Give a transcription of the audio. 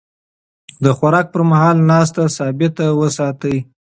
د خوراک پر مهال ناسته ثابته وساتئ.